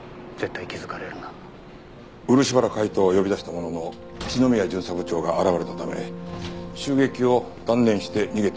漆原海斗を呼び出したものの篠宮巡査部長が現れたため襲撃を断念して逃げた。